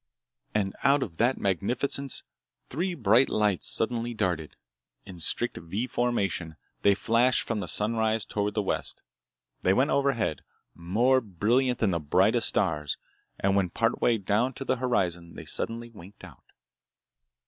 And out of that magnificence three bright lights suddenly darted. In strict V formation, they flashed from the sunrise toward the west. They went overhead, more brilliant than the brightest stars, and when partway down to the horizon they suddenly winked out.